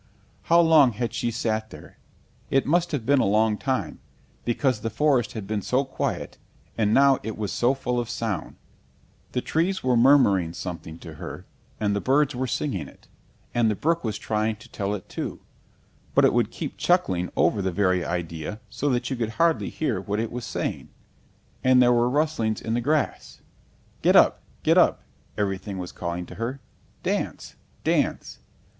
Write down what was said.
... How long had she sat there? It must have been a long time because the forest had been so quiet, and now it was so full of sound. The trees were murmuring something to her, and the birds were singing it, and the brook was trying to tell it too, but it would keep chuckling over the very idea so that you could hardly hear what it was saying, and there were rustlings in the grass "Get up, get up," everything was calling to her; "dance, dance."